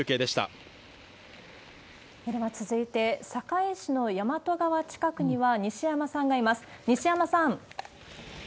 では続いて、堺市の大和川近くには西山さんがいます。